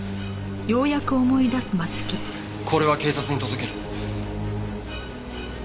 これは警察に届ける。